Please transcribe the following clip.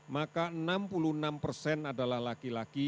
maka enam puluh enam persen adalah laki laki